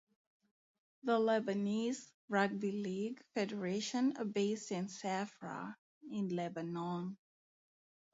The Lebanese Rugby League Federation are based in Safra in Lebanon.